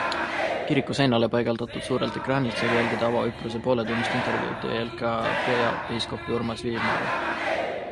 Kiriku seinale paigaldatud suurelt ekraanilt saab jälgida Avo Üpruse pooletunnist intervjuud EELK peapiiskopi Urmas Viilmaga.